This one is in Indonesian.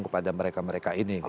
kepada mereka mereka ini